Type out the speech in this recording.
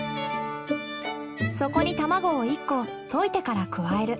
そこに卵を１個溶いてから加える。